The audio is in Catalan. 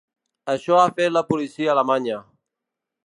Això ha fet la policia alemanya.